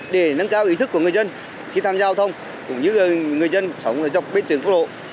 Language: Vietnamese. để nâng cao ý thức của người dân khi tham gia giao thông cũng như người dân sống dọc bên tuyến quốc lộ